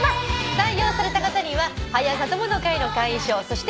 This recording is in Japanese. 採用された方には「はや朝友の会」の会員証そして。